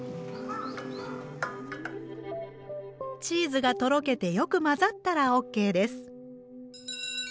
チーズがとろけてよく混ざったらオッケーです。